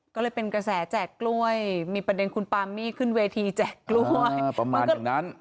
ก็เลยเป็นกระแสแจกกล้วยมีประเด็นคุณปาวิขึ้นเวทีแจกกล้วย